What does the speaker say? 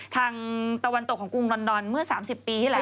ทางตะวันตกของกรุงลอนดอนเมื่อ๓๐ปีที่แล้ว